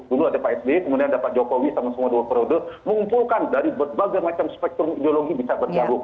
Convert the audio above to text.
dulu ada psb kemudian ada pak jokowi sama semua dua produk mengumpulkan dari berbagai macam spektrum ideologi bisa berjabung